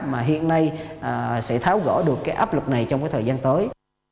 mà hiện nay sẽ tháo gỡ được cái áp lực này trong cái thời gian tới